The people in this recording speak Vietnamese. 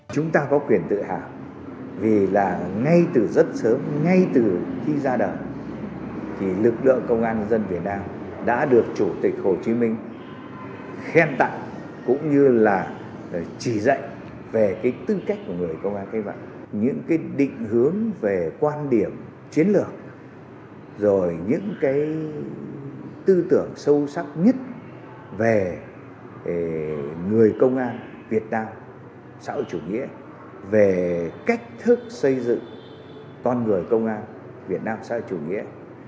câu sắc nhất về người công an việt nam xã hội chủ nghĩa về cách thức xây dựng toàn người công an việt nam xã hội chủ nghĩa